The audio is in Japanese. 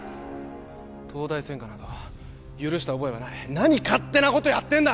東大専科など許した覚えはない何勝手なことやってんだ！